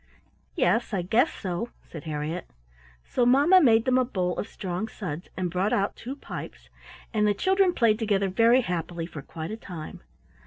"Yes, I guess so," said Harriett. So mamma made them a bowl of strong suds, and brought out two pipes, and the children played together very happily for quite a time.